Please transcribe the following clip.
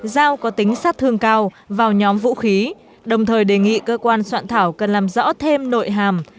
dao có tính sát thương cao vào nhóm vũ khí đồng thời đề nghị cơ quan soạn thảo cần làm rõ thêm nội hàm